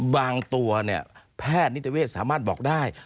บางตัวเนี่ยแพทย์นิติเวศสามารถบอกได้